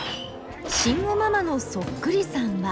慎吾ママのそっくりさんは？